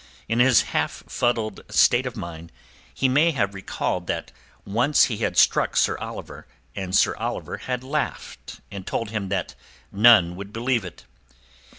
In his half fuddled state of mind he may have recalled that once he had struck Sir Oliver and Sir Oliver had laughed and told him that none would believe it.